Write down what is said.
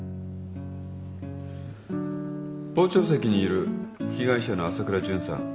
傍聴席にいる被害者の朝倉純さん。